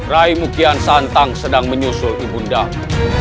rai mukian santang sedang menyusul ibu ndaka